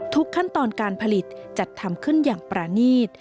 ขั้นตอนการผลิตจัดทำขึ้นอย่างประนีต